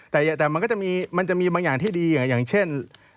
แต่มันก็จะมีบางอย่างที่ดีอย่างเช่น